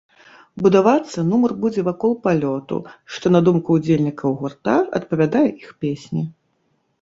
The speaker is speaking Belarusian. Будавацца нумар будзе вакол палёту, што, на думку ўдзельнікаў гурта, адпавядае іх песні.